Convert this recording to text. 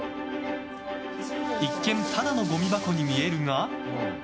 一見ただのごみ箱に見えるが。